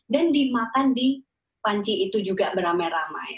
dimakan di panci itu juga beramai ramai